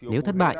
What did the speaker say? nếu thất bại